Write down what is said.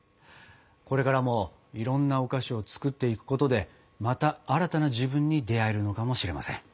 これからもいろんなお菓子を作っていくことでまた新たな自分に出会えるのかもしれません。